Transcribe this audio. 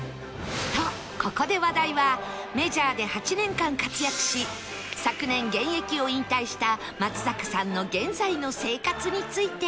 とここで話題はメジャーで８年間活躍し昨年現役を引退した松坂さんの現在の生活について